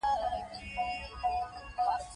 وسله د بدن زخم نه، د روح زخم ورکوي